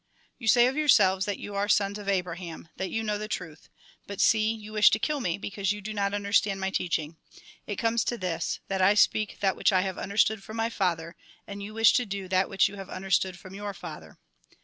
" You say of yourselves that you are sons of Abraham, that you know the truth. But see, you wish to kill me, because you do not understand my 96 THE GOSPEL IN BRIEF teaching. It comes to this, tliat I speak that which I have understood from my Father, and you wish to do that which you have understood from your father."